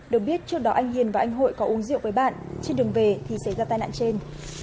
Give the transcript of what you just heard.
được biết trước đó anh hiền và anh hội có uống rượu với bạn trên đường về thì xảy ra tai nạn trên